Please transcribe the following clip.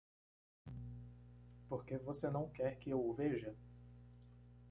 Por que você não quer que eu o veja?